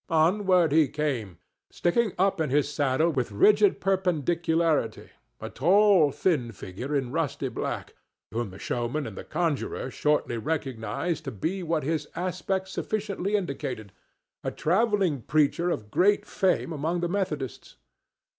Onward he came, sticking up in his saddle with rigid perpendicularity, a tall, thin figure in rusty black, whom the showman and the conjurer shortly recognized to be what his aspect sufficiently indicated—a travelling preacher of great fame among the Methodists.